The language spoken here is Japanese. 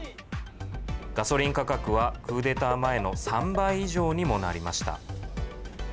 ガソリン価格はクーデター前の３倍以上にもなりました。